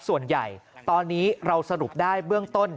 ส่วนใหญ่ตอนนี้เราสรุปได้เบื้องต้น